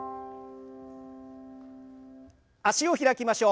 脚を開きましょう。